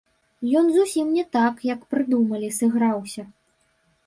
Ён зусім не так, як прыдумалі, сыграўся.